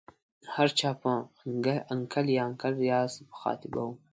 هر چا په انکل یا انکل ریاض مخاطبه وه.